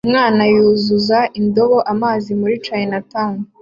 Umwana yuzuza indobo amazi muri chinatown